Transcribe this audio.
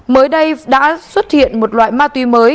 mới đây đã xuất hiện một loại ma túy mới